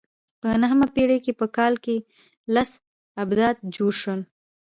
په نهمه پېړۍ کې په کال کې لس آبدات جوړ شول